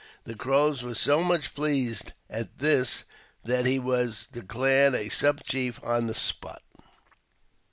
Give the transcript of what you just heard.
The Crows were so much pleased at this that he was declared a sub chief on the spot."